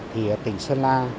thì tỉnh sơn la